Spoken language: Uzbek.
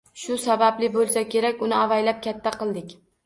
Shu sababli bo`lsa kerak uni avaylab katta qildik